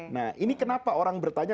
nah ini kenapa orang bertanya